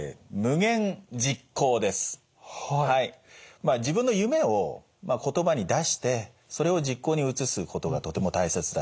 まあ自分の夢を言葉に出してそれを実行に移すことがとても大切だ。